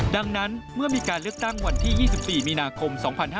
ดังนั้นเมื่อมีการเลือกตั้งวันที่๒๔มีนาคม๒๕๕๙